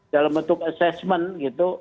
dalam bentuk assessment gitu